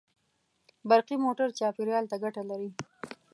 برقي موټر چاپېریال ته ګټه لري.